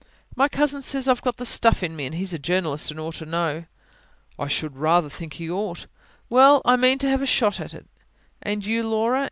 "My cousin says I've got the stuff in me. And he's a journalist and ought to know." "I should rather think he ought." "Well, I mean to have a shot at it." "And you, Laura?" M.